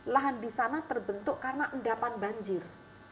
lahan di sana terbentuk karena endapan banjir